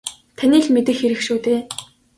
Таны л мэдэх хэрэг шүү дээ.